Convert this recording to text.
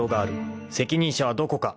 ［責任者はどこか？］